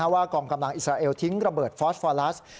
กองกำลังอิสราเอลทิ้งระเบิดฟอสฟอลัส